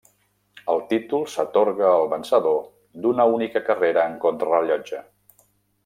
El títol s'atorga al vencedor d'una única carrera en contrarellotge.